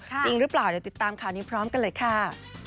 จริงหรือเปล่าเดี๋ยวติดตามข่าวนี้พร้อมกันเลยค่ะ